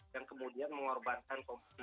dan kemudian mengorbankan kompetisi